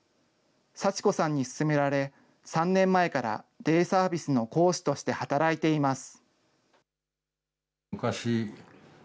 祥子さんに勧められ、３年前からデイサービスの講師として働いています。